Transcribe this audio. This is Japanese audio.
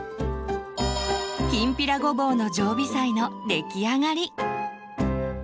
「きんぴらごぼう」の常備菜の出来上がり！